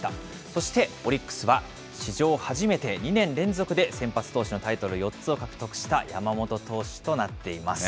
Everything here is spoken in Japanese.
そしてオリックスは、史上初めて２年連続で先発投手のタイトル４つを獲得した山本投手となっています。